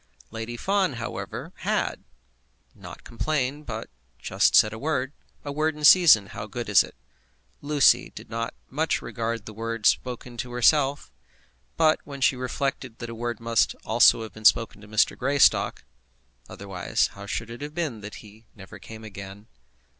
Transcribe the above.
Lady Fawn, however, had not complained, but just said a word. A word in season, how good is it? Lucy did not much regard the word spoken to herself; but when she reflected that a word must also have been spoken to Mr. Greystock, otherwise how should it have been that he never came again?